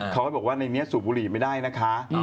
เขาบอกว่าในนี้สูบบุหรี่ไม่ได้นะคะ